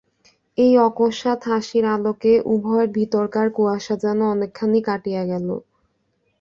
এই অকসমাৎ হাসির আলোকে উভয়ের ভিতরকার কুয়াশা যেন অনেকখানি কাটিয়া গেল।